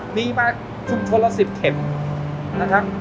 มีมาชุมชนละ๑๐เข็มนะครับ